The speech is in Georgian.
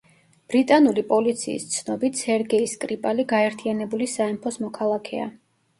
ბრიტანული პოლიციის ცნობით, სერგეი სკრიპალი გაერთიანებული სამეფოს მოქალაქეა.